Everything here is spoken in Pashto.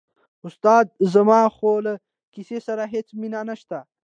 استاده زما خو له کیسې سره هېڅ مینه نشته.